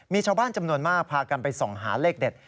มีชาวบ้านจำนวนมากพากันไปส่องหาเลขเด็ด